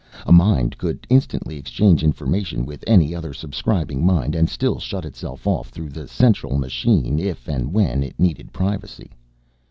A mind could instantly exchange information with any other Subscribing mind and still shut itself off through the Central machine if and when it needed privacy.